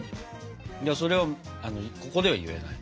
いやそれはここでは言えない。